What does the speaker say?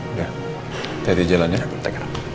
udah tepi jalannya